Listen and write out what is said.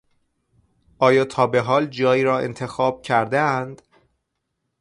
آیا تا به حال جایی را انتخاب کردهاند؟